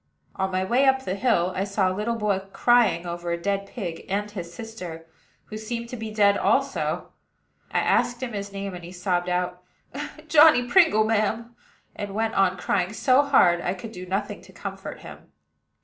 On my way up the hill, I saw a little boy crying over a dead pig, and his sister, who seemed to be dead also. I asked his name, and he sobbed out, "Johnny Pringle, ma'am;" and went on crying so hard I could do nothing to comfort him.